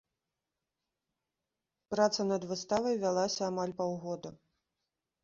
Праца над выставай вялася амаль паўгода.